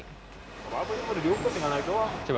tidak apa apa sudah diukur tidak naik saja